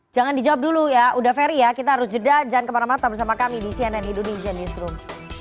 jangan dijawab dulu ya uda ferry ya kita harus jeda jangan kemana mana tetap bersama kami di cnn indonesian newsroom